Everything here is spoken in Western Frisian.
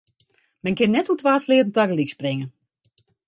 Men kin net oer twa sleatten tagelyk springe.